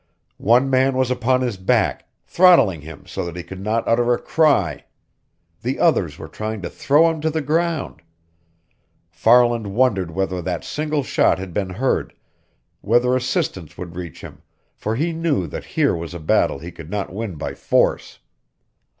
One man was upon his back, throttling him so that he could not utter a cry. The others were trying to throw him to the ground. Farland wondered whether that single shot had been heard, whether assistance would reach him, for he knew that here was a battle he could not win by force.